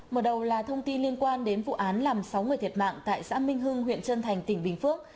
mở đầu là thông tin liên quan đến vụ án làm sáu người thiệt mạng tại xã minh hưng huyện trân thành tỉnh bình phước